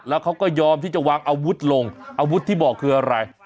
แล้วเขาก็ยอมที่จะวางอาวุธลงอาวุธที่บอกคืออะไร